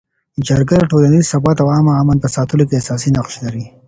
جرګه د ټولنیز ثبات او عامه امن په ساتلو کي اساسي نقش لري.